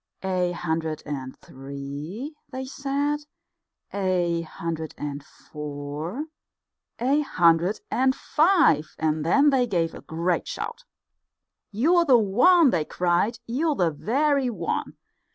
"A hundred and three," they said, "a hundred and four, a hundred and five," and then they gave a great shout. "You're the one," they cried, "you're the very one!